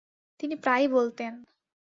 তিনি প্রায়ই বলতেন —